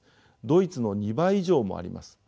ドイツの２倍以上もあります。